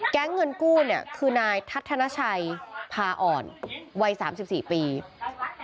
แก๊งเงินกู้เนี่ยคือนายทัศนชัยพาอ่อนวัย๓๔ปีเจ็บเหมือนกันนะคะ